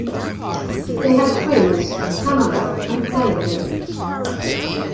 They had twins, Pamela and Penelope.